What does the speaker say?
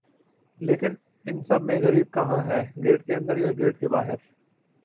لیکن ان سب میں غریب کہاں ہے گیٹ کے اندر یا گیٹ کے باہر